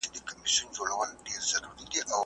ځئ چي ځو همدا مو وار دی وخت د کار دی روانیږو